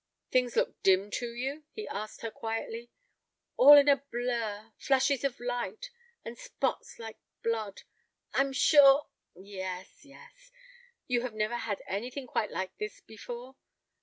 "Things look dim to you?" he asked her, quietly. "All in a blur, flashes of light, and spots like blood. I'm sure—" "Yes, yes. You have never had anything quite like this before?"